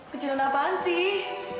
kejutan apaan sih